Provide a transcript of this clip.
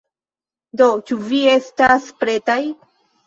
Do, ĉu vi estas pretaj?